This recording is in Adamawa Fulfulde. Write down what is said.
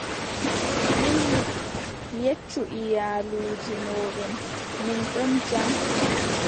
Dillu, yeccu iyaluuji mooɗon, min ɗon jam.